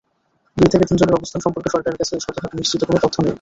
দুই থেকে তিনজনের অবস্থান সম্পর্কে সরকারের কাছে শতভাগ নিশ্চিত কোনো তথ্য নেই।